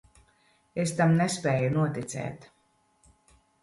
Es tam nespēju noticēt.